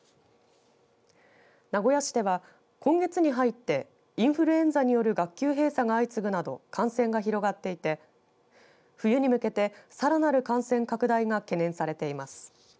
名古屋市では今月に入ってインフルエンザによる学級閉鎖が相次ぐなど感染が広がっていて冬に向けてさらなる感染拡大が懸念されています。